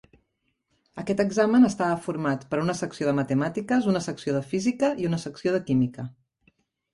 Aquest examen estava format per una secció de matemàtiques, una secció de física i una secció de química.